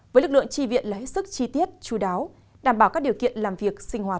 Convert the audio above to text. với lực lượng tri viện là hết sức chi tiết chú đáo đảm bảo các điều kiện làm việc sinh hoạt